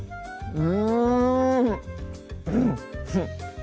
うん！